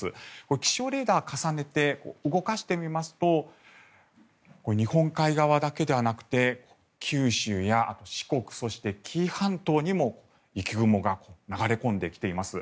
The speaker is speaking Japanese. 気象レーダーを重ねて動かしてみますと日本海側だけではなくて九州や四国そして紀伊半島にも雪雲が流れ込んできています。